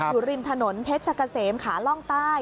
อยู่ริมถนนเพชรกะเสมขาล่องใต้